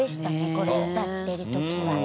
これ歌ってる時は。